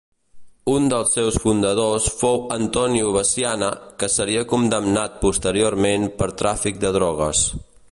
Un dels seus fundadors fou Antonio Veciana que seria condemnat posteriorment per tràfic de drogues.